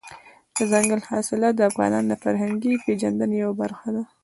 دځنګل حاصلات د افغانانو د فرهنګي پیژندنې یوه برخه ده.